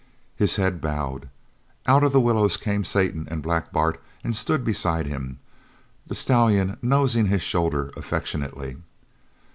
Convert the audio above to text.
His head bowed. Out of the willows came Satan and Black Bart and stood beside him, the stallion nosing his shoulder affectionately.